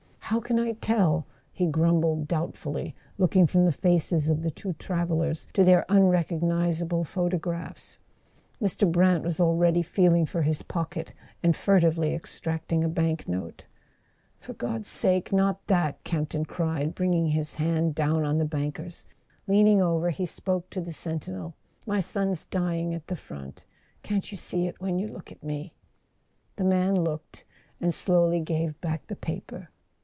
"How can I tell ?" he grumbled doubtfully, looking from the faces of the two travellers to their unrecognizable photographs. Mr. Brant was already feeling for his pocket, and furtively extracting a bank note. "For God's sake—not that!" Campton cried, bring¬ ing his hand down on the banker's. Leaning over, he spoke to the sentinel. "My son's dying at the front. Can't you see it when you look at me?" The man looked, and slowly gave back the paper.